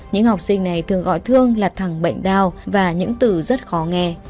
những học sinh này thường gọi thương là thẳng bệnh đau và những từ rất khó nghe